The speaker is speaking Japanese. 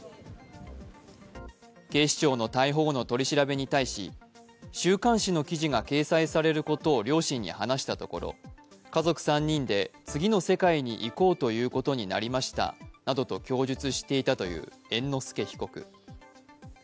警視庁の逮捕後の取り調べに対し、週刊誌の記事が掲載されることを両親に話したところ、家族３人で次の世界に行こうということになりましたなどと供述していたという猿之助被告。